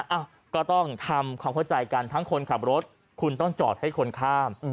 เอ้าก็ต้องทำความเข้าใจกันทั้งคนขับรถคุณต้องจอดให้คนข้าม